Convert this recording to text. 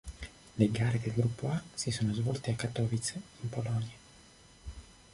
Le gare del Gruppo A si sono svolte a Katowice, in Polonia.